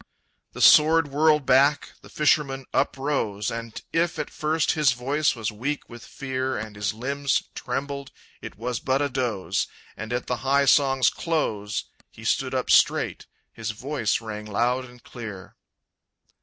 The sword whirled back. The fisherman uprose, And if at first his voice was weak with fear And his limbs trembled, it was but a doze, And at the high song's close He stood up straight. His voice rang loud and clear.